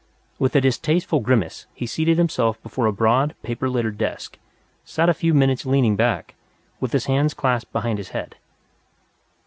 With a distasteful grimace, he seated himself before a broad, paper littered desk, sat a few minutes leaning back, with his hands clasped behind his head.